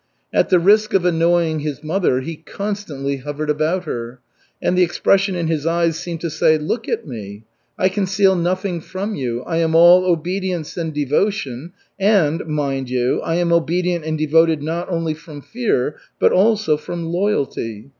At the risk of annoying his mother, he constantly hovered about her, and the expression in his eyes seemed to say: "Look at me! I conceal nothing from you. I am all obedience and devotion, and, mind you, I am obedient and devoted not only from fear but also from loyalty."